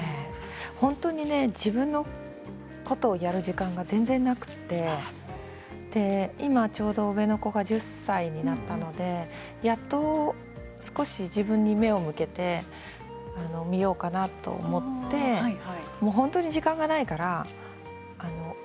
本当に自分のことをやる時間が全然なくて今ちょうど上の子が１０歳になったのでやっと少し自分に目を向けてみようかなと思って本当に時間がないから。